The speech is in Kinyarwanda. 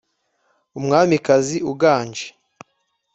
umwamikazi uganje,